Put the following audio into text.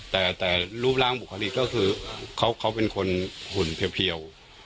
แต่รูปร่างบุคลิกก็คือเขาเป็นคนหุ่นเพียว